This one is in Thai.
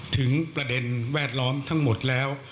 ถึงประเด็นแวดล้อมทั้งหมดแล้ว